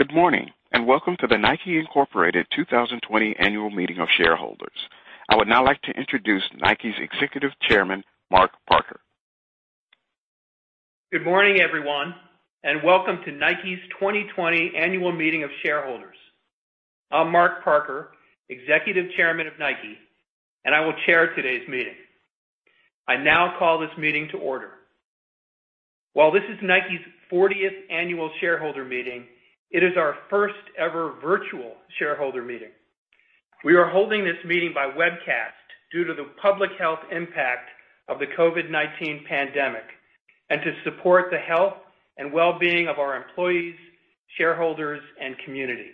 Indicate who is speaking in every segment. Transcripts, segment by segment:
Speaker 1: Good morning, and welcome to the NIKE, Inc. 2020 annual meeting of shareholders. I would now like to introduce Nike's Executive Chairman, Mark Parker.
Speaker 2: Good morning, everyone, and welcome to Nike's 2020 annual meeting of shareholders. I'm Mark Parker, Executive Chairman of NIKE, and I will chair today's meeting. I now call this meeting to order. While this is Nike's 40th annual shareholder meeting, it is our first ever virtual shareholder meeting. We are holding this meeting by webcast due to the public health impact of the COVID-19 pandemic and to support the health and well-being of our employees, shareholders, and community.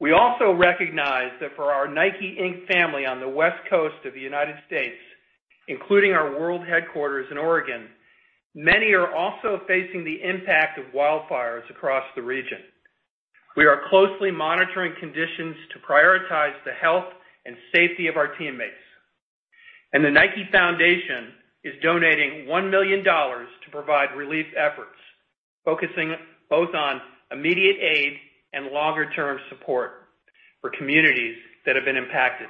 Speaker 2: We also recognize that for our Nike, Inc. family on the West Coast of the U.S., including our world headquarters in Oregon, many are also facing the impact of wildfires across the region. We are closely monitoring conditions to prioritize the health and safety of our teammates. The Nike Foundation is donating $1 million to provide relief efforts, focusing both on immediate aid and longer-term support for communities that have been impacted.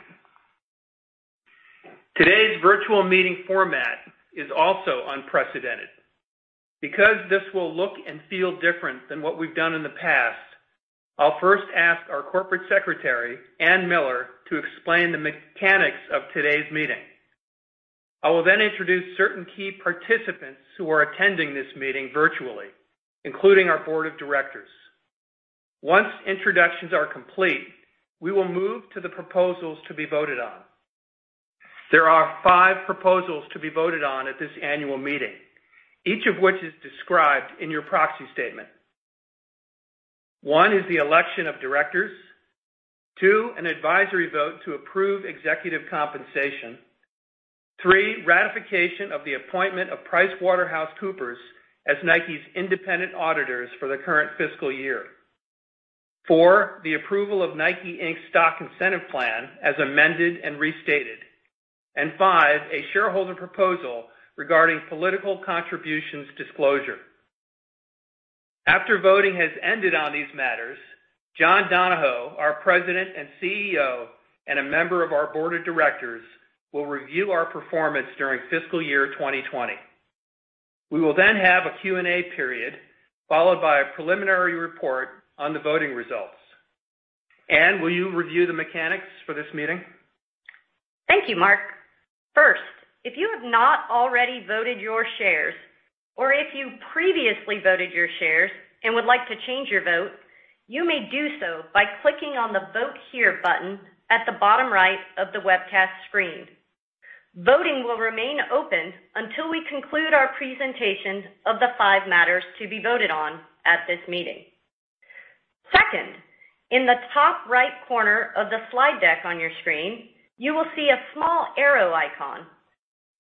Speaker 2: Today's virtual meeting format is also unprecedented. Because this will look and feel different than what we've done in the past, I'll first ask our corporate secretary, Ann Miller, to explain the mechanics of today's meeting. I will introduce certain key participants who are attending this meeting virtually, including our board of directors. Once introductions are complete, we will move to the proposals to be voted on. There are five proposals to be voted on at this annual meeting, each of which is described in your proxy statement. One is the election of directors. Two, an advisory vote to approve executive compensation. Three, ratification of the appointment of PricewaterhouseCoopers as Nike's independent auditors for the current fiscal year. Four, the approval of NIKE, Inc.'s Stock Incentive Plan, as amended and restated. Five, a shareholder proposal regarding political contributions disclosure. After voting has ended on these matters, John Donahoe, our President and CEO, and a member of our board of directors, will review our performance during fiscal year 2020. We will have a Q&A period, followed by a preliminary report on the voting results. Ann, will you review the mechanics for this meeting?
Speaker 3: Thank you, Mark. First, if you have not already voted your shares or if you previously voted your shares and would like to change your vote, you may do so by clicking on the Vote Here button at the bottom right of the webcast screen. Voting will remain open until we conclude our presentation of the five matters to be voted on at this meeting. Second, in the top right corner of the slide deck on your screen, you will see a small arrow icon.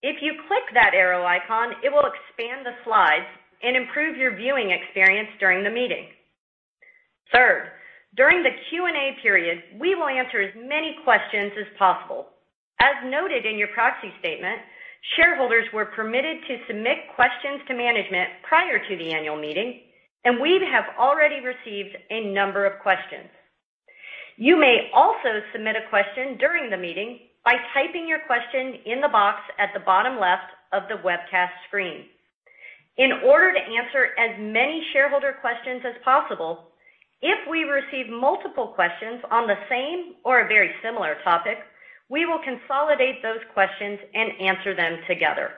Speaker 3: If you click that arrow icon, it will expand the slides and improve your viewing experience during the meeting. Third, during the Q&A period, we will answer as many questions as possible. As noted in your proxy statement, shareholders were permitted to submit questions to management prior to the annual meeting, and we have already received a number of questions. You may also submit a question during the meeting by typing your question in the box at the bottom left of the webcast screen. In order to answer as many shareholder questions as possible, if we receive multiple questions on the same or a very similar topic, we will consolidate those questions and answer them together.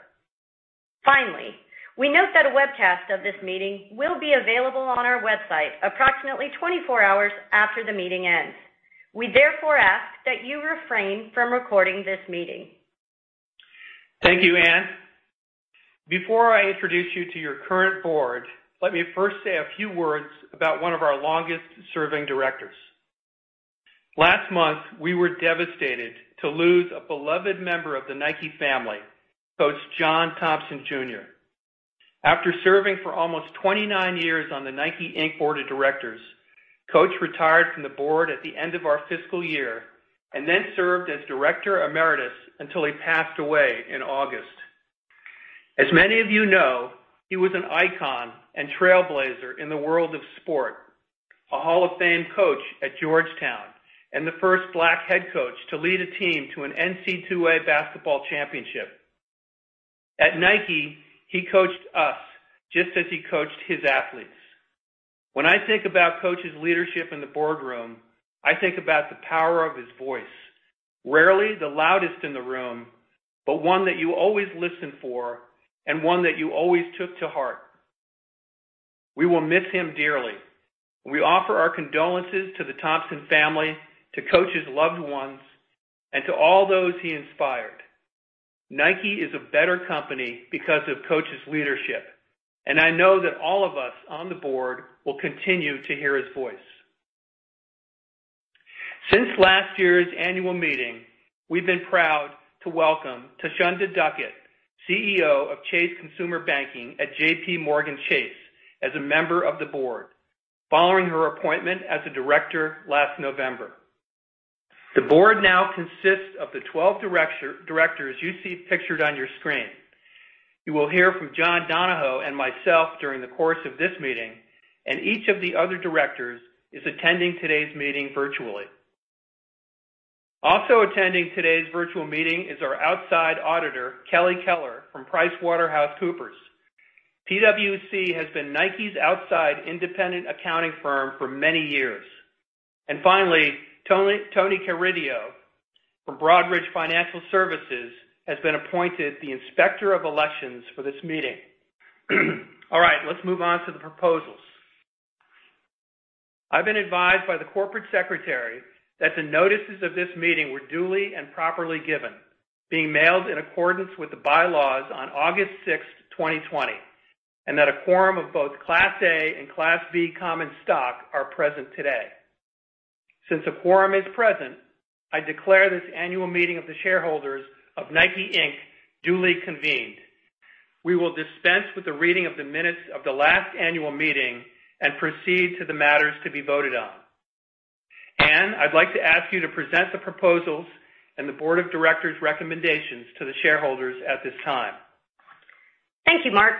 Speaker 3: We note that a webcast of this meeting will be available on our website approximately 24 hours after the meeting ends. We therefore ask that you refrain from recording this meeting.
Speaker 2: Thank you, Ann. Before I introduce you to your current board, let me first say a few words about one of our longest-serving directors. Last month, we were devastated to lose a beloved member of the Nike family, Coach John Thompson Jr. After serving for almost 29 years on the NIKE, Inc. board of directors, Coach retired from the board at the end of our fiscal year and then served as director emeritus until he passed away in August. As many of you know, he was an icon and trailblazer in the world of sport, a Hall of Fame coach at Georgetown, and the first Black head coach to lead a team to an NCAA basketball championship. At Nike, he coached us just as he coached his athletes. When I think about Coach's leadership in the boardroom, I think about the power of his voice, rarely the loudest in the room, but one that you always listened for and one that you always took to heart. We will miss him dearly, and we offer our condolences to the Thompson family, to Coach's loved ones, and to all those he inspired. Nike is a better company because of Coach's leadership, and I know that all of us on the board will continue to hear his voice. Since last year's annual meeting, we've been proud to welcome Thasunda Duckett, CEO of Chase Consumer Banking at JPMorgan Chase, as a member of the board, following her appointment as a director last November. The board now consists of the 12 directors you see pictured on your screen. You will hear from John Donahoe and myself during the course of this meeting. Each of the other directors is attending today's meeting virtually. Also attending today's virtual meeting is our outside auditor, Kelly Keller from PricewaterhouseCoopers. PwC has been Nike's outside independent accounting firm for many years. Finally, Tony Carideo from Broadridge Financial Solutions has been appointed the Inspector of Elections for this meeting. All right, let's move on to the proposals. I've been advised by the corporate secretary that the notices of this meeting were duly and properly given, being mailed in accordance with the bylaws on August 6th, 2020. A quorum of both Class A and Class B common stock are present today. Since a quorum is present, I declare this annual meeting of the shareholders of NIKE, Inc., duly convened. We will dispense with the reading of the minutes of the last annual meeting and proceed to the matters to be voted on. Ann, I'd like to ask you to present the proposals and the Board of Directors' recommendations to the shareholders at this time.
Speaker 3: Thank you, Mark.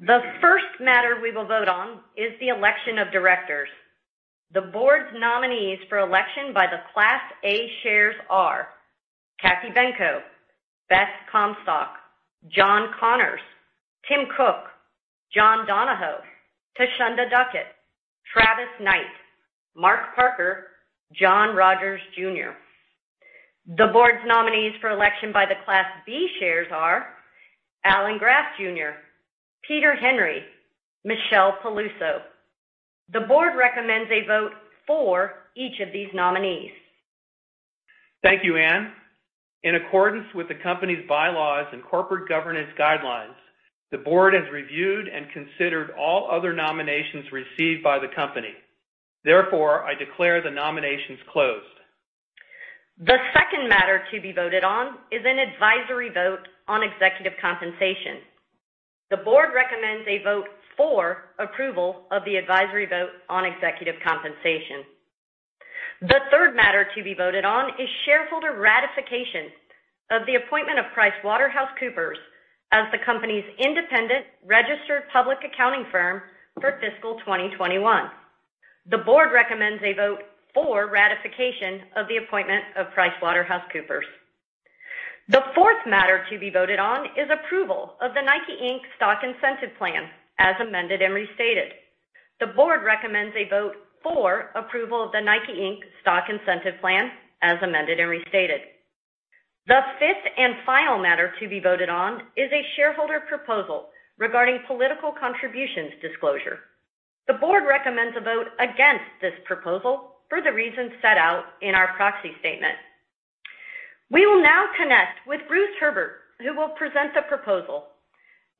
Speaker 3: The first matter we will vote on is the election of directors. The board's nominees for election by the Class A shares are Cathy Benko, Beth Comstock, John Connors, Tim Cook, John Donahoe, Thasunda Duckett, Travis Knight, Mark Parker, John Rogers, Jr. The board's nominees for election by the Class B shares are Alan Graf, Jr., Peter Henry, Michelle Peluso. The board recommends a vote for each of these nominees.
Speaker 2: Thank you, Ann. In accordance with the company's bylaws and corporate governance guidelines, the Board has reviewed and considered all other nominations received by the company. Therefore, I declare the nominations closed.
Speaker 3: The second matter to be voted on is an advisory vote on executive compensation. The board recommends a vote for approval of the advisory vote on executive compensation. The third matter to be voted on is shareholder ratification of the appointment of PricewaterhouseCoopers as the company's independent registered public accounting firm for fiscal 2021. The board recommends a vote for ratification of the appointment of PricewaterhouseCoopers. The fourth matter to be voted on is approval of the NIKE, Inc. Stock Incentive Plan as amended and restated. The board recommends a vote for approval of the NIKE, Inc. Stock Incentive Plan as amended and restated. The fifth and final matter to be voted on is a shareholder proposal regarding political contributions disclosure. The board recommends a vote against this proposal for the reasons set out in our proxy statement. We will now connect with Bruce Herbert, who will present the proposal.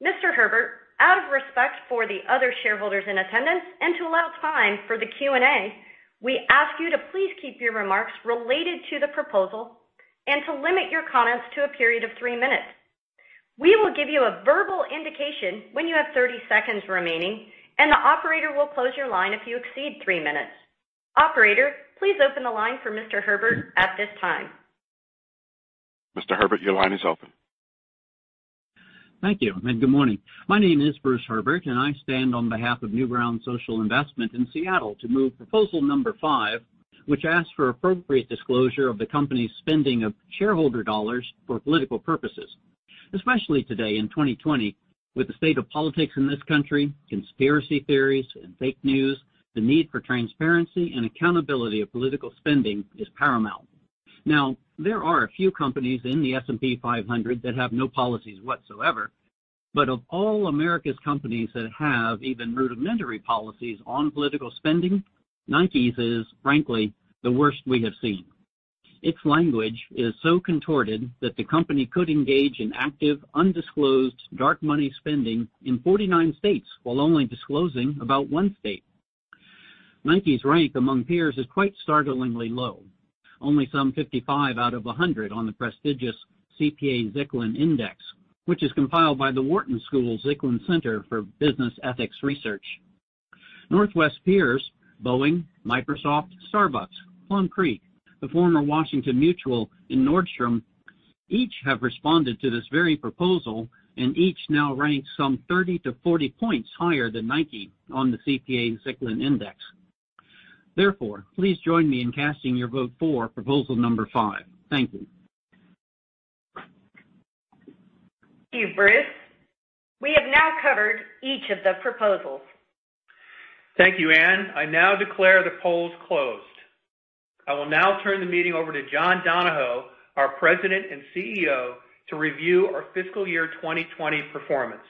Speaker 3: Mr. Herbert, out of respect for the other shareholders in attendance and to allow time for the Q&A, we ask you to please keep your remarks related to the proposal and to limit your comments to a period of three minutes. We will give you a verbal indication when you have 30 seconds remaining, and the operator will close your line if you exceed three minutes. Operator, please open the line for Mr. Herbert at this time.
Speaker 1: Mr. Herbert, your line is open.
Speaker 4: Thank you, good morning. My name is Bruce Herbert, and I stand on behalf of Newground Social Investment in Seattle to move proposal number five, which asks for appropriate disclosure of the company's spending of shareholder dollars for political purposes. Especially today in 2020 with the state of politics in this country, conspiracy theories, and fake news, the need for transparency and accountability of political spending is paramount. There are a few companies in the S&P 500 that have no policies whatsoever, but of all America's companies that have even rudimentary policies on political spending, Nike's is, frankly, the worst we have seen. Its language is so contorted that the company could engage in active, undisclosed dark money spending in 49 states while only disclosing about one state. Nike's rank among peers is quite startlingly low. Only some 55 out of 100 on the prestigious CPA-Zicklin Index, which is compiled by the Wharton School Zicklin Center for Business Ethics Research. Northwest peers Boeing, Microsoft, Starbucks, Plum Creek, the former Washington Mutual, and Nordstrom each have responded to this very proposal, and each now ranks some 30 to 40 points higher than Nike on the CPA-Zicklin Index. Please join me in casting your vote for proposal number five. Thank you.
Speaker 3: Thank you, Bruce. We have now covered each of the proposals.
Speaker 2: Thank you, Ann. I now declare the polls closed. I will now turn the meeting over to John Donahoe, our President and CEO, to review our fiscal year 2020 performance.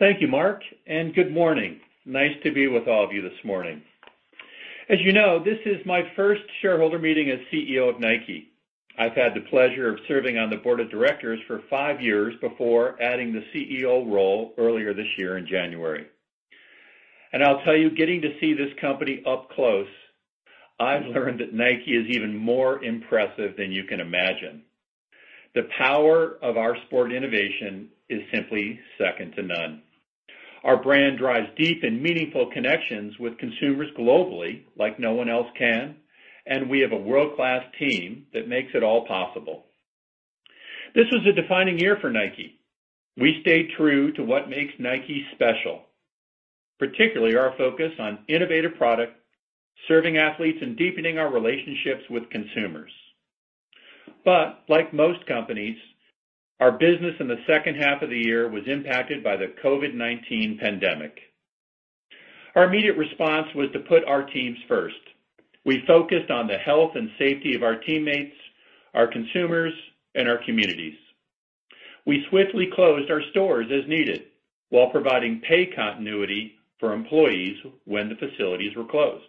Speaker 5: Thank you, Mark, good morning. Nice to be with all of you this morning. As you know, this is my first shareholder meeting as CEO of Nike. I've had the pleasure of serving on the board of directors for five years before adding the CEO role earlier this year in January. I'll tell you, getting to see this company up close, I've learned that Nike is even more impressive than you can imagine. The power of our sport innovation is simply second to none. Our brand drives deep and meaningful connections with consumers globally, like no one else can. We have a world-class team that makes it all possible. This was a defining year for Nike. We stayed true to what makes Nike special, particularly our focus on innovative product, serving athletes, and deepening our relationships with consumers. Like most companies, our business in the second half of the year was impacted by the COVID-19 pandemic. Our immediate response was to put our teams first. We focused on the health and safety of our teammates, our consumers, and our communities. We swiftly closed our stores as needed while providing pay continuity for employees when the facilities were closed.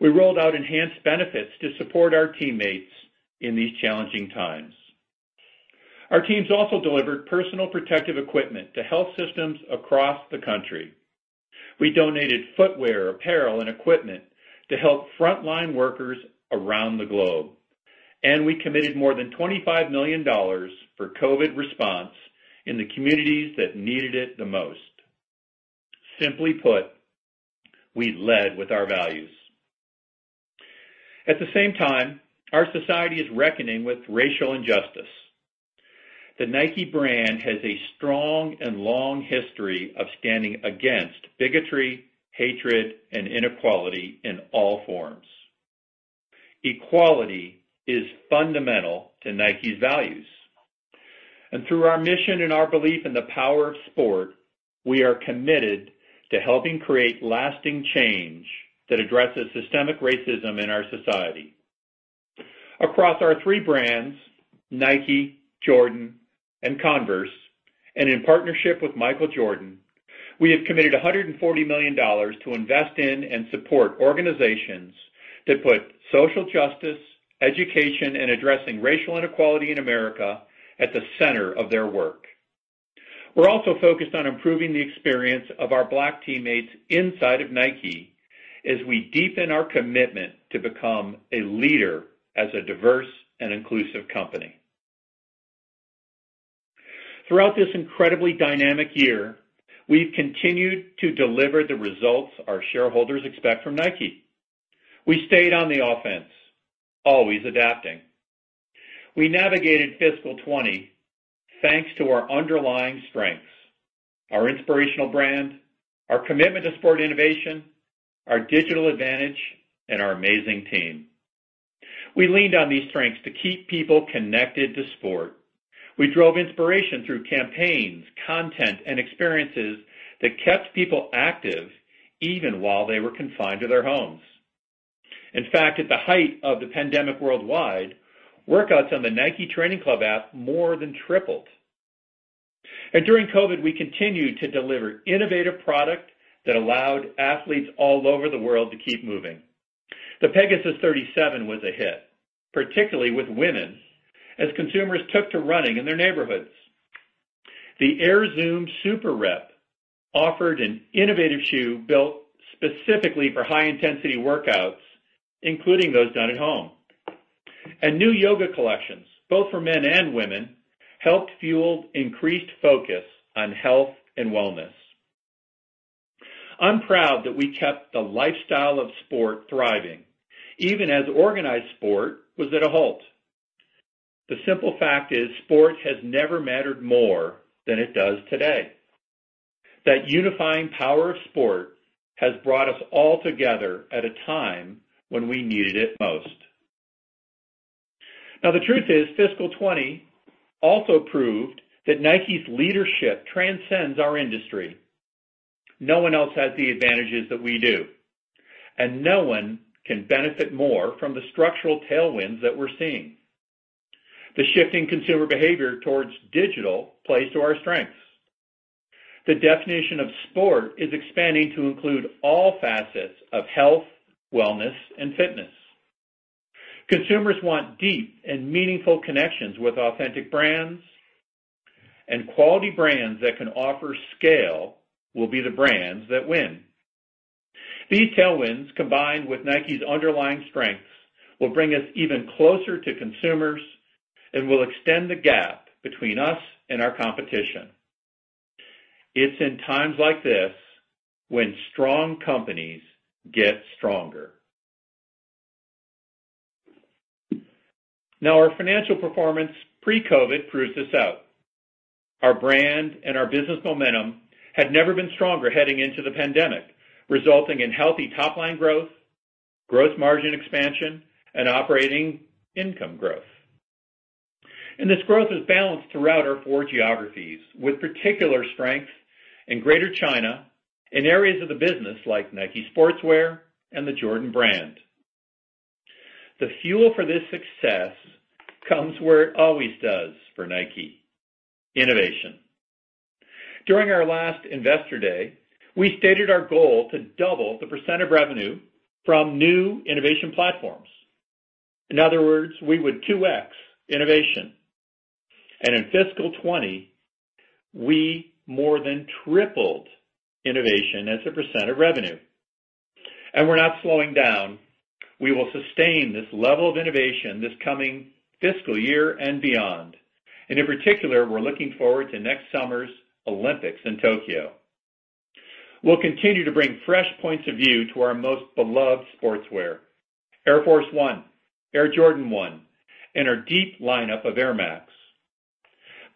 Speaker 5: We rolled out enhanced benefits to support our teammates in these challenging times. Our teams also delivered personal protective equipment to health systems across the country. We donated footwear, apparel, and equipment to help frontline workers around the globe, and we committed more than $25 million for COVID response in the communities that needed it the most. Simply put, we led with our values. At the same time, our society is reckoning with racial injustice. The Nike brand has a strong and long history of standing against bigotry, hatred, and inequality in all forms. Equality is fundamental to Nike's values. Through our mission and our belief in the power of sport, we are committed to helping create lasting change that addresses systemic racism in our society. Across our three brands, Nike, Jordan, and Converse, and in partnership with Michael Jordan, we have committed $140 million to invest in and support organizations that put social justice, education, and addressing racial inequality in America at the center of their work. We're also focused on improving the experience of our Black teammates inside of Nike as we deepen our commitment to become a leader as a diverse and inclusive company. Throughout this incredibly dynamic year, we've continued to deliver the results our shareholders expect from Nike. We stayed on the offense, always adapting. We navigated fiscal 2020 thanks to our underlying strengths, our inspirational brand, our commitment to sport innovation, our digital advantage, and our amazing team. We leaned on these strengths to keep people connected to sport. We drove inspiration through campaigns, content, and experiences that kept people active even while they were confined to their homes. In fact, at the height of the pandemic worldwide, workouts on the Nike Training Club app more than tripled. During COVID, we continued to deliver innovative product that allowed athletes all over the world to keep moving. The Pegasus 37 was a hit, particularly with women, as consumers took to running in their neighborhoods. The Air Zoom SuperRep offered an innovative shoe built specifically for high-intensity workouts, including those done at home. New yoga collections, both for men and women, helped fuel increased focus on health and wellness. I'm proud that we kept the lifestyle of sport thriving, even as organized sport was at a halt. The simple fact is, sport has never mattered more than it does today. That unifying power of sport has brought us all together at a time when we needed it most. Now, the truth is, fiscal 2020 also proved that Nike's leadership transcends our industry. No one else has the advantages that we do, and no one can benefit more from the structural tailwinds that we're seeing. The shift in consumer behavior towards digital plays to our strengths. The definition of sport is expanding to include all facets of health, wellness, and fitness. Consumers want deep and meaningful connections with authentic brands, and quality brands that can offer scale will be the brands that win. These tailwinds, combined with Nike's underlying strengths, will bring us even closer to consumers and will extend the gap between us and our competition. It's in times like this when strong companies get stronger. Our financial performance pre-COVID-19 proves this out. Our brand and our business momentum had never been stronger heading into the pandemic, resulting in healthy top-line growth, gross margin expansion, and operating income growth. This growth is balanced throughout our four geographies, with particular strength in Greater China in areas of the business like Nike Sportswear and the Jordan brand. The fuel for this success comes where it always does for Nike, innovation. During our last Investor Day, we stated our goal to double the percent of revenue from new innovation platforms. In other words, we would 2X Innovation. In fiscal 2020, we more than tripled innovation as a percent of revenue. We're not slowing down. We will sustain this level of innovation this coming fiscal year and beyond. In particular, we're looking forward to next summer's Olympics in Tokyo. We'll continue to bring fresh points of view to our most beloved sportswear, Air Force 1, Air Jordan 1, and our deep lineup of Air Max.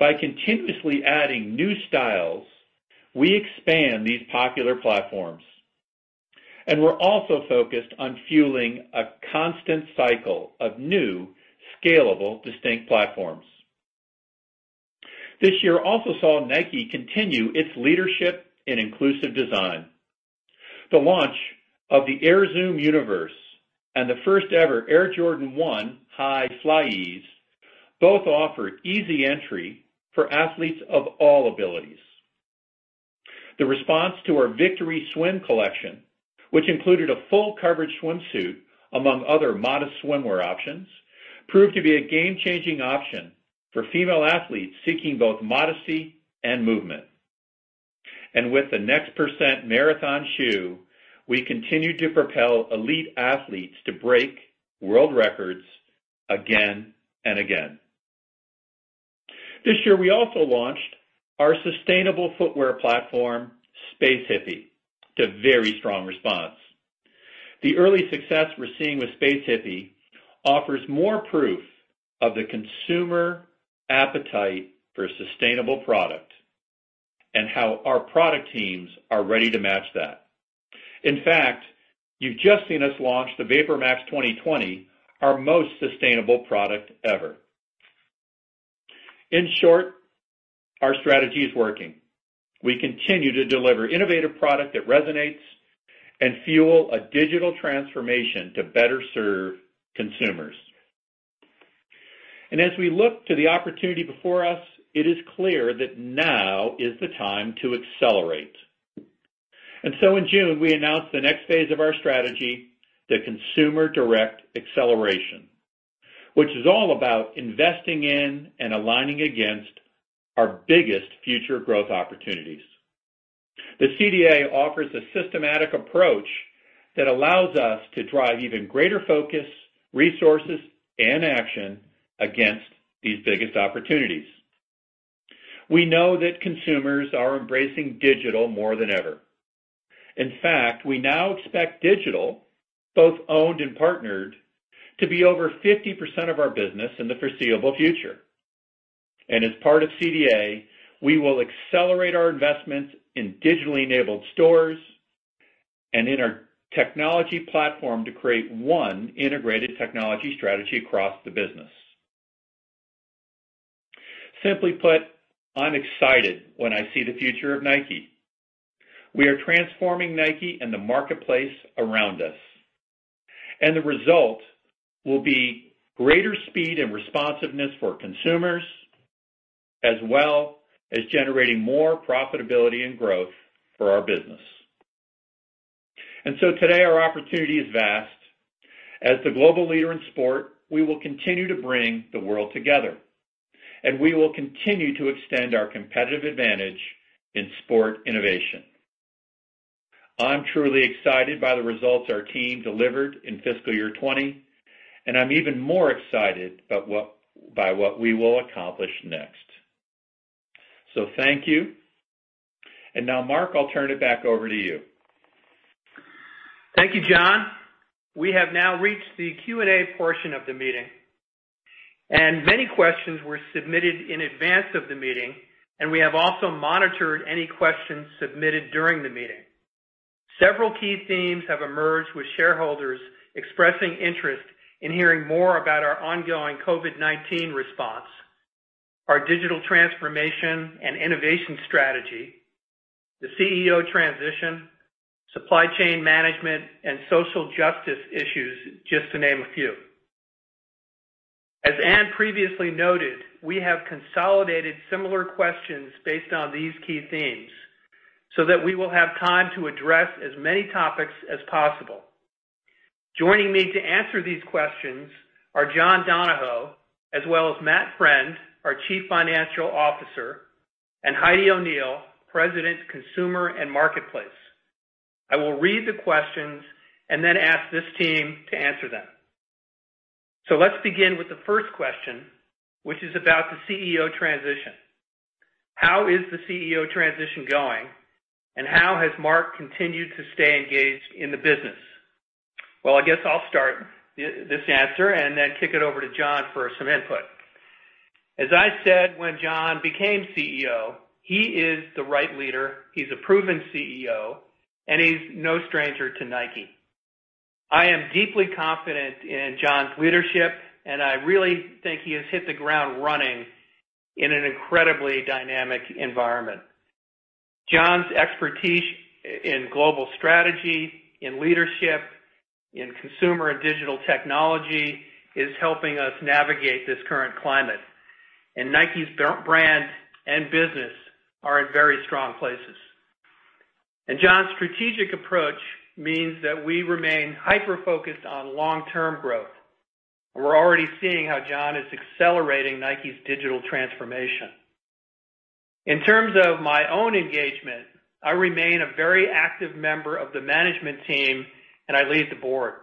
Speaker 5: By continuously adding new styles, we expand these popular platforms. We're also focused on fueling a constant cycle of new, scalable, distinct platforms. This year also saw Nike continue its leadership in inclusive design. The launch of the Air Zoom UNVRS and the first ever Air Jordan 1 High FlyEase both offered easy entry for athletes of all abilities. The response to our Victory Swim collection, which included a full coverage swimsuit, among other modest swimwear options, proved to be a game-changing option for female athletes seeking both modesty and movement. With the NEXT% marathon shoe, we continue to propel elite athletes to break world records again and again. This year, we also launched our sustainable footwear platform, Space Hippie, to very strong response. The early success we're seeing with Space Hippie offers more proof of the consumer appetite for a sustainable product and how our product teams are ready to match that. In fact, you've just seen us launch the VaporMax 2020, our most sustainable product ever. In short, our strategy is working. We continue to deliver innovative product that resonates and fuel a digital transformation to better serve consumers. As we look to the opportunity before us, it is clear that now is the time to accelerate. In June, we announced the next phase of our strategy, the Consumer Direct Acceleration, which is all about investing in and aligning against our biggest future growth opportunities. The CDA offers a systematic approach that allows us to drive even greater focus, resources, and action against these biggest opportunities. We know that consumers are embracing digital more than ever. In fact, we now expect digital, both owned and partnered, to be over 50% of our business in the foreseeable future. As part of CDA, we will accelerate our investments in digitally enabled stores and in our technology platform to create one integrated technology strategy across the business. Simply put, I'm excited when I see the future of Nike. We are transforming Nike and the marketplace around us, the result will be greater speed and responsiveness for consumers, as well as generating more profitability and growth for our business. Today, our opportunity is vast. As the global leader in sport, we will continue to bring the world together, and we will continue to extend our competitive advantage in sport innovation. I'm truly excited by the results our team delivered in fiscal year 2020, and I'm even more excited by what we will accomplish next. Thank you. Now, Mark, I'll turn it back over to you.
Speaker 2: Thank you, John. We have now reached the Q&A portion of the meeting, and many questions were submitted in advance of the meeting, and we have also monitored any questions submitted during the meeting. Several key themes have emerged with shareholders expressing interest in hearing more about our ongoing COVID-19 response, our digital transformation and innovation strategy, the CEO transition, supply chain management, and social justice issues, just to name a few. As Ann previously noted, we have consolidated similar questions based on these key themes so that we will have time to address as many topics as possible. Joining me to answer these questions are John Donahoe, as well as Matt Friend, our Chief Financial Officer, and Heidi O'Neill, President, Consumer and Marketplace. I will read the questions and then ask this team to answer them. Let's begin with the first question, which is about the CEO transition. How is the CEO transition going, and how has Mark continued to stay engaged in the business? Well, I guess I'll start this answer and then kick it over to John for some input. As I said when John became CEO, he is the right leader. He's a proven CEO, and he's no stranger to Nike. I am deeply confident in John's leadership, and I really think he has hit the ground running in an incredibly dynamic environment. John's expertise in global strategy, in leadership, in consumer and digital technology is helping us navigate this current climate. Nike's brand and business are in very strong places. John's strategic approach means that we remain hyper-focused on long-term growth. We're already seeing how John is accelerating Nike's digital transformation. In terms of my own engagement, I remain a very active member of the management team and I lead the board.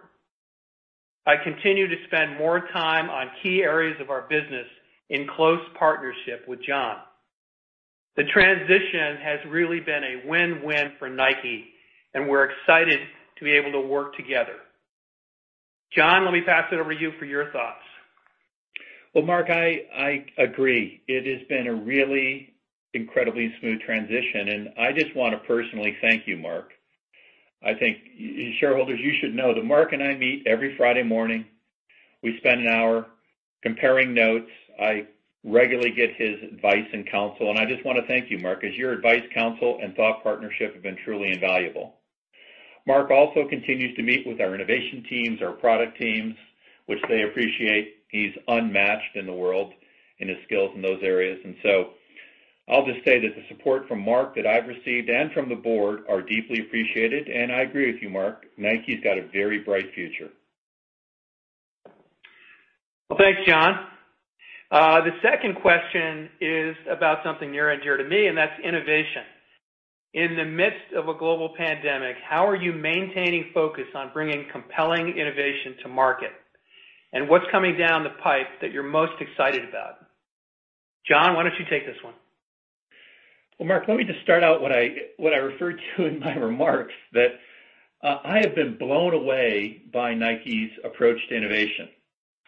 Speaker 2: I continue to spend more time on key areas of our business in close partnership with John. The transition has really been a win-win for Nike and we're excited to be able to work together. John, let me pass it over to you for your thoughts.
Speaker 5: Mark, I agree. It has been a really incredibly smooth transition and I just want to personally thank you, Mark. I think shareholders, you should know that Mark and I meet every Friday morning. We spend an hour comparing notes. I regularly get his advice and counsel, and I just want to thank you, Mark, as your advice, counsel, and thought partnership have been truly invaluable. Mark also continues to meet with our innovation teams, our product teams, which they appreciate. He's unmatched in the world in his skills in those areas. I'll just say that the support from Mark that I've received and from the board are deeply appreciated. I agree with you, Mark, Nike's got a very bright future.
Speaker 2: Well, thanks, John. The second question is about something near and dear to me, and that's innovation. In the midst of a global pandemic, how are you maintaining focus on bringing compelling innovation to market? What's coming down the pipe that you're most excited about? John, why don't you take this one.
Speaker 5: Well, Mark, let me just start out what I referred to in my remarks that I have been blown away by Nike's approach to innovation.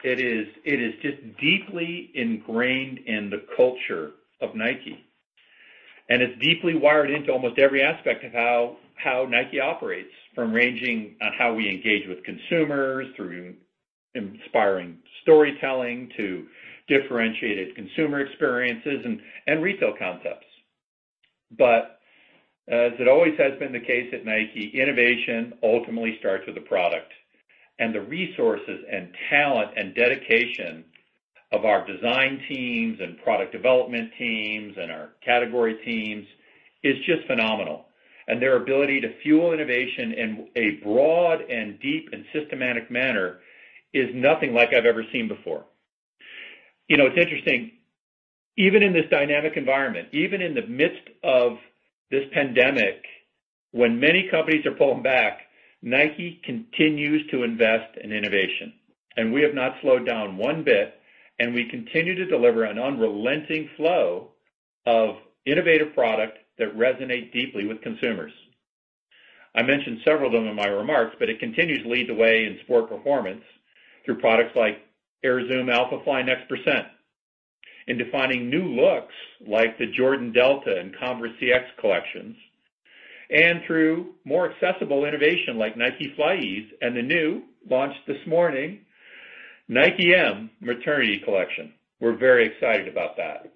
Speaker 5: It is just deeply ingrained in the culture of Nike, and it's deeply wired into almost every aspect of how Nike operates, from ranging on how we engage with consumers through inspiring storytelling to differentiated consumer experiences and retail concepts. As it always has been the case at Nike, innovation ultimately starts with the product and the resources and talent and dedication of our design teams and product development teams and our category teams is just phenomenal. Their ability to fuel innovation in a broad and deep and systematic manner is nothing like I've ever seen before. It's interesting, even in this dynamic environment, even in the midst of this pandemic, when many companies are pulling back, Nike continues to invest in innovation. We have not slowed down one bit, and we continue to deliver an unrelenting flow of innovative product that resonates deeply with consumers. I mentioned several of them in my remarks. It continues to lead the way in sport performance through products like Air Zoom Alphafly NEXT%. In defining new looks like the Jordan Delta and Converse CX collections, and through more accessible innovation like Nike FlyEase and the new, launched this morning, Nike (M) maternity collection. We're very excited about that.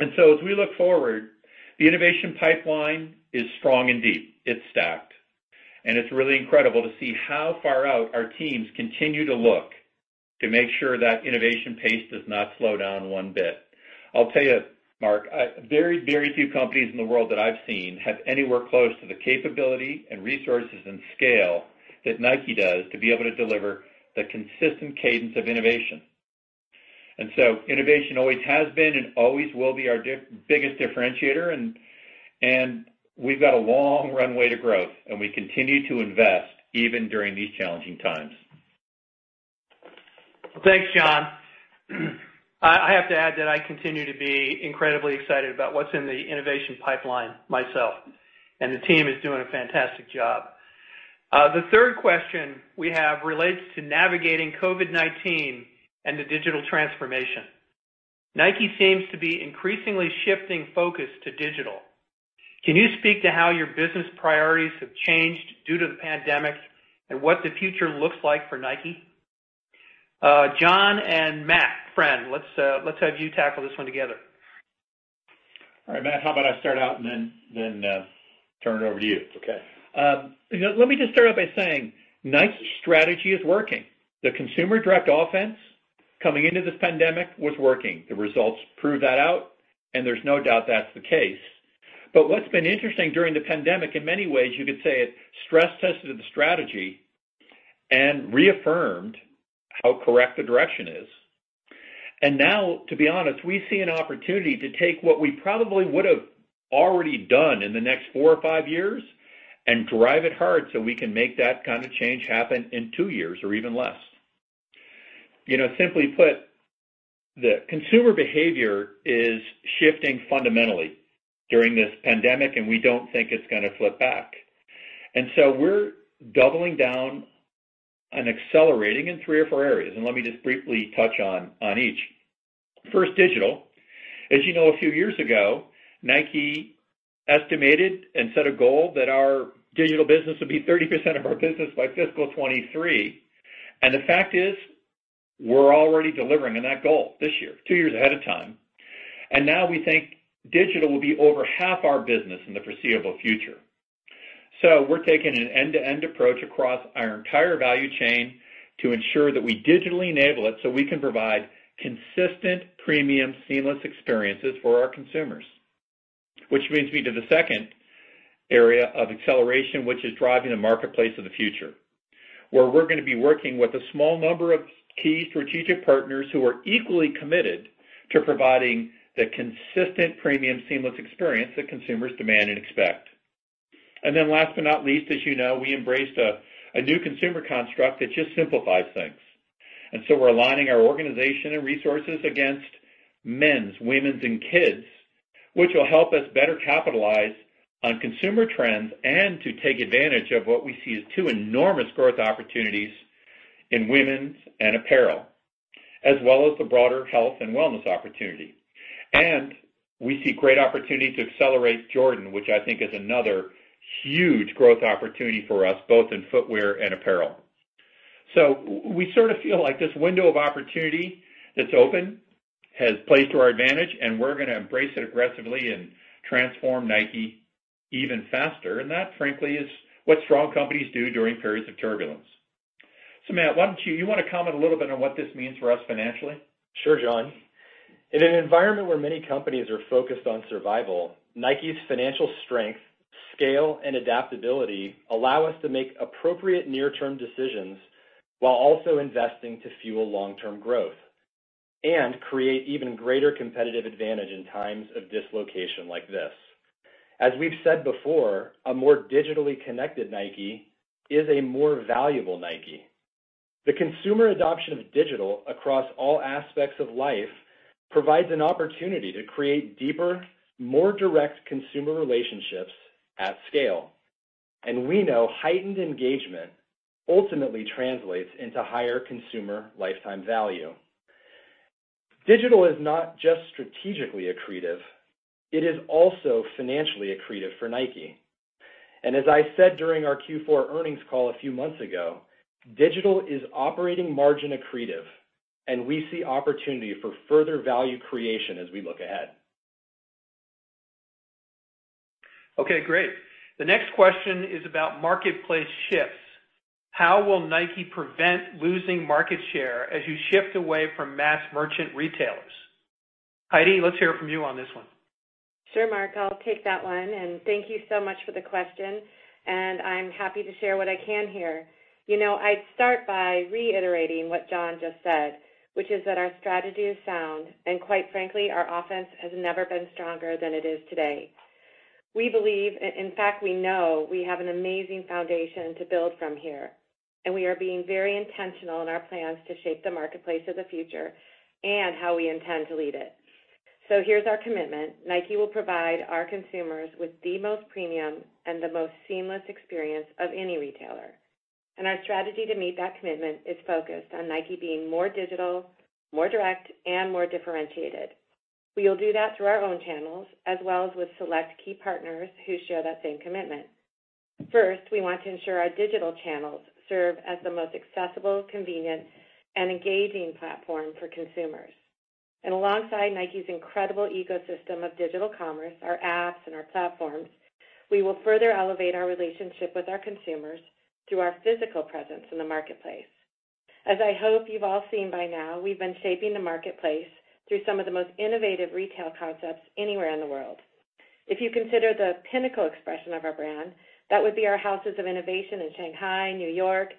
Speaker 5: As we look forward, the innovation pipeline is strong and deep. It's stacked. It's really incredible to see how far out our teams continue to look to make sure that innovation pace does not slow down one bit. I'll tell you, Mark, very, very few companies in the world that I've seen have anywhere close to the capability and resources and scale that Nike does to be able to deliver the consistent cadence of innovation. Innovation always has been and always will be our biggest differentiator, and we've got a long runway to growth, and we continue to invest even during these challenging times.
Speaker 2: Thanks, John. I have to add that I continue to be incredibly excited about what's in the innovation pipeline myself, and the team is doing a fantastic job. The third question we have relates to navigating COVID-19 and the digital transformation. Nike seems to be increasingly shifting focus to digital. Can you speak to how your business priorities have changed due to the pandemic and what the future looks like for Nike? John and Matt Friend, let's have you tackle this one together.
Speaker 5: All right, Matt, how about I start out and then turn it over to you?
Speaker 6: Okay.
Speaker 5: Let me just start out by saying Nike's strategy is working. The Consumer Direct Offense coming into this pandemic was working. The results prove that out, and there's no doubt that's the case. What's been interesting during the pandemic, in many ways, you could say it stress tested the strategy and reaffirmed how correct the direction is, and now, to be honest, we see an opportunity to take what we probably would've already done in the next four or five years and drive it hard so we can make that kind of change happen in two years or even less. Simply put, the consumer behavior is shifting fundamentally during this pandemic, and we don't think it's going to flip back. We're doubling down and accelerating in three or four areas, and let me just briefly touch on each. First, digital. As you know, a few years ago, Nike estimated and set a goal that our digital business would be 30% of our business by fiscal 2023. The fact is, we're already delivering on that goal this year, two years ahead of time. Now we think digital will be over half our business in the foreseeable future. We're taking an end-to-end approach across our entire value chain to ensure that we digitally enable it so we can provide consistent, premium, seamless experiences for our consumers. Which brings me to the second area of acceleration, which is driving the marketplace of the future, where we're going to be working with a small number of key strategic partners who are equally committed to providing the consistent premium, seamless experience that consumers demand and expect. Last but not least, as you know, we embraced a new consumer construct that just simplifies things. We're aligning our organization and resources against men's, women's, and kids, which will help us better capitalize on consumer trends and to take advantage of what we see as two enormous growth opportunities in women's and apparel, as well as the broader health and wellness opportunity. We see great opportunity to accelerate Jordan, which I think is another huge growth opportunity for us, both in footwear and apparel. We sort of feel like this window of opportunity that's open has played to our advantage, and we're going to embrace it aggressively and transform Nike even faster. That, frankly, is what strong companies do during periods of turbulence. Matt, you want to comment a little bit on what this means for us financially?
Speaker 6: Sure, John. In an environment where many companies are focused on survival, Nike's financial strength, scale, and adaptability allow us to make appropriate near-term decisions while also investing to fuel long-term growth and create even greater competitive advantage in times of dislocation like this. As we've said before, a more digitally connected Nike is a more valuable Nike. The consumer adoption of digital across all aspects of life provides an opportunity to create deeper, more direct consumer relationships at scale. We know heightened engagement ultimately translates into higher consumer lifetime value. Digital is not just strategically accretive, it is also financially accretive for Nike. As I said during our Q4 earnings call a few months ago, digital is operating margin accretive, and we see opportunity for further value creation as we look ahead.
Speaker 2: Okay, great. The next question is about marketplace shifts. How will Nike prevent losing market share as you shift away from mass merchant retailers? Heidi, let's hear from you on this one.
Speaker 7: Sure, Mark, I'll take that one. Thank you so much for the question, and I'm happy to share what I can here. I'd start by reiterating what John just said, which is that our strategy is sound, and quite frankly, our offense has never been stronger than it is today. We believe, in fact, we know we have an amazing foundation to build from here, and we are being very intentional in our plans to shape the marketplace of the future and how we intend to lead it. Here's our commitment. Nike will provide our consumers with the most premium and the most seamless experience of any retailer. Our strategy to meet that commitment is focused on Nike being more digital, more direct, and more differentiated. We will do that through our own channels as well as with select key partners who share that same commitment. First, we want to ensure our digital channels serve as the most accessible, convenient, and engaging platform for consumers. Alongside Nike's incredible ecosystem of digital commerce, our apps, and our platforms, we will further elevate our relationship with our consumers through our physical presence in the marketplace. As I hope you've all seen by now, we've been shaping the marketplace through some of the most innovative retail concepts anywhere in the world. If you consider the pinnacle expression of our brand, that would be our houses of innovation in Shanghai, New York,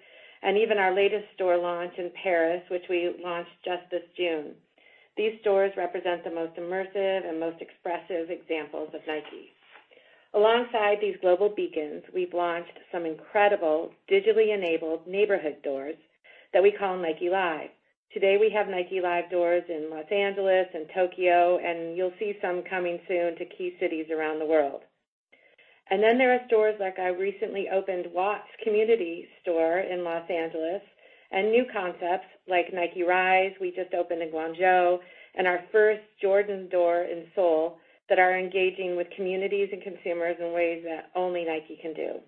Speaker 7: and even our latest store launch in Paris, which we launched just this June. These stores represent the most immersive and most expressive examples of Nike. Alongside these global beacons, we've launched some incredible digitally enabled neighborhood stores that we call Nike Live. Today, we have Nike Live stores in Los Angeles and Tokyo, and you'll see some coming soon to key cities around the world. There are stores like our recently opened Watts Community store in Los Angeles and new concepts like Nike Rise we just opened in Guangzhou and our first Jordan store in Seoul that are engaging with communities and consumers in ways that only Nike can do.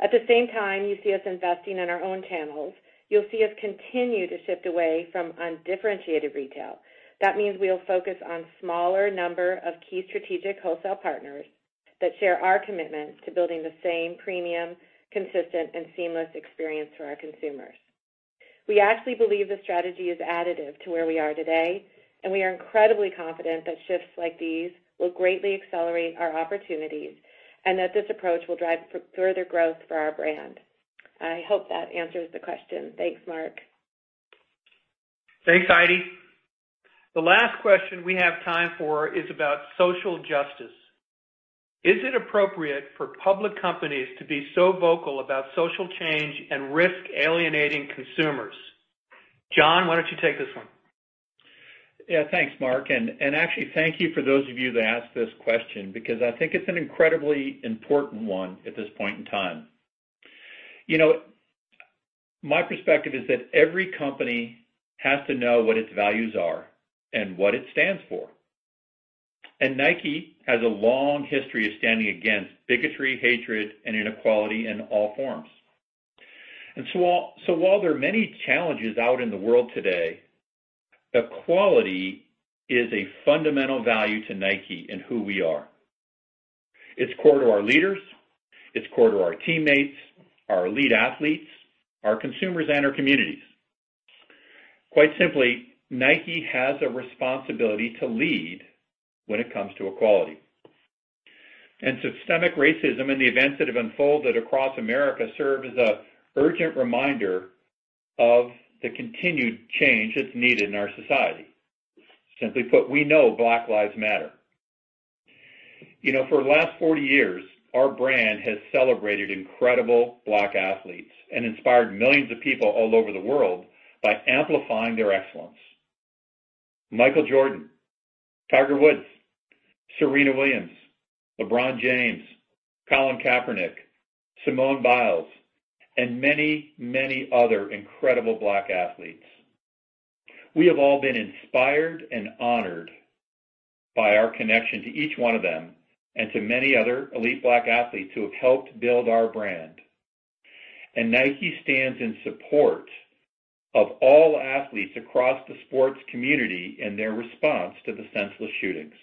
Speaker 7: At the same time, you see us investing in our own channels. You'll see us continue to shift away from undifferentiated retail. That means we'll focus on smaller number of key strategic wholesale partners that share our commitments to building the same premium, consistent, and seamless experience for our consumers. We actually believe the strategy is additive to where we are today, and we are incredibly confident that shifts like these will greatly accelerate our opportunities and that this approach will drive further growth for our brand. I hope that answers the question. Thanks, Mark.
Speaker 2: Thanks, Heidi. The last question we have time for is about social justice. Is it appropriate for public companies to be so vocal about social change and risk alienating consumers? John, why don't you take this one?
Speaker 5: Thanks, Mark. Actually, thank you for those of you that asked this question, because I think it's an incredibly important one at this point in time. My perspective is that every company has to know what its values are and what it stands for. Nike has a long history of standing against bigotry, hatred, and inequality in all forms. While there are many challenges out in the world today, equality is a fundamental value to Nike and who we are. It's core to our leaders, it's core to our teammates, our elite athletes, our consumers, and our communities. Quite simply, Nike has a responsibility to lead when it comes to equality. Systemic racism and the events that have unfolded across America serve as an urgent reminder of the continued change that's needed in our society. Simply put, we know Black Lives Matter. For the last 40 years, our brand has celebrated incredible Black athletes and inspired millions of people all over the world by amplifying their excellence. Michael Jordan, Tiger Woods, Serena Williams, LeBron James, Colin Kaepernick, Simone Biles, and many, many other incredible Black athletes. We have all been inspired and honored by our connection to each one of them and to many other elite Black athletes who have helped build our brand. Nike stands in support of all athletes across the sports community in their response to the senseless shootings.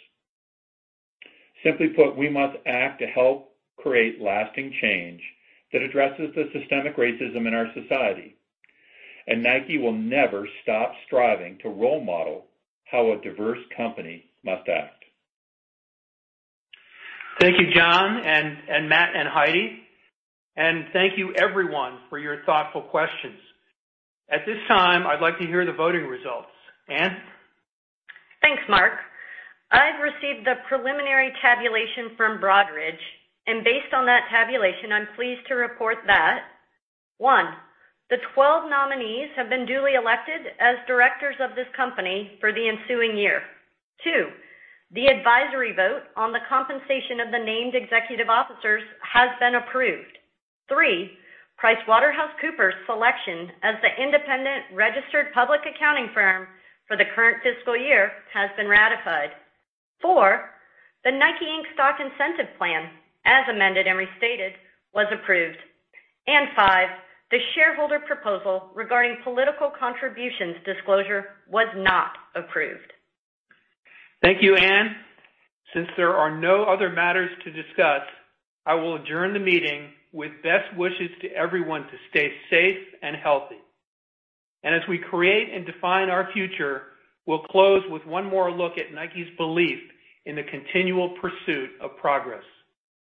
Speaker 5: Simply put, we must act to help create lasting change that addresses the systemic racism in our society. Nike will never stop striving to role model how a diverse company must act.
Speaker 2: Thank you, John and Matt and Heidi. Thank you, everyone, for your thoughtful questions. At this time, I'd like to hear the voting results. Ann?
Speaker 3: Thanks, Mark. I've received the preliminary tabulation from Broadridge, and based on that tabulation, I'm pleased to report that, one, the 12 nominees have been duly elected as directors of this company for the ensuing year. Two, the advisory vote on the compensation of the named executive officers has been approved. Three, PricewaterhouseCoopers selection as the independent registered public accounting firm for the current fiscal year has been ratified. Four, the NIKE, Inc. Stock Incentive Plan, as amended and restated, was approved. Five, the shareholder proposal regarding political contributions disclosure was not approved.
Speaker 2: Thank you, Ann. Since there are no other matters to discuss, I will adjourn the meeting with best wishes to everyone to stay safe and healthy. As we create and define our future, we'll close with one more look at Nike's belief in the continual pursuit of progress.